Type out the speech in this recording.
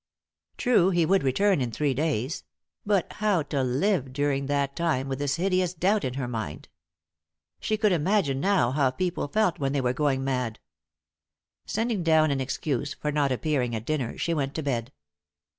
True, he would return in three days; but how to live during that time with this hideous doubt in her mind? She could imagine now how people felt when they were going mad. Sending down an excuse for not appearing at dinner, she went to bed.